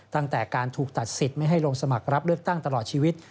ตั้งแต่การถูกตัดสิทธิ์ไม่ให้ลงสมัครรับเลือกตั้งตลอดชีวิต